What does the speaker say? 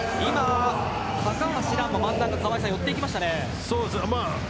高橋藍も真ん中に寄っていきましたね。